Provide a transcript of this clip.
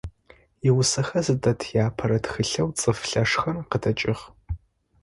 Иусэхэр зыдэт иапэрэ тхылъэу «Цӏыф лъэшхэр» къыдэкӏыгъ.